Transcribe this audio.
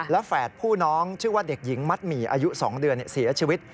และแฝดผู้น้องชื่อว่าเด็กหญิงมัดหมี่อายุ๒เดือนเสียชีวิต